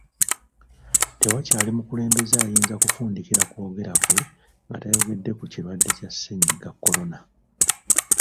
Tewakyali mukulembeze ayinza kufundikira kwogera kwe nga tayogedde ku kirwadde kya Ssennyiga Corona